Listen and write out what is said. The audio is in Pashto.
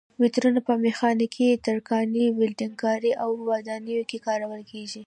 مترونه په میخانیکي، ترکاڼۍ، ولډنګ کارۍ او ودانیو کې کارول کېږي.